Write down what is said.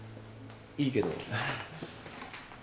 いいけど。